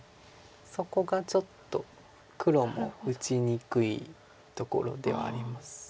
そこがちょっと黒も打ちにくいところではあります。